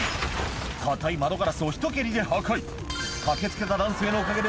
硬い窓ガラスをひと蹴りで破壊